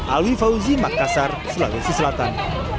alwi fauzi makassar sulawesi selatan